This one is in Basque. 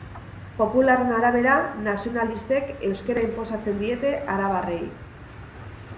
Popularren arabera, nazionalistek euskara inposatzen diete arabarrei.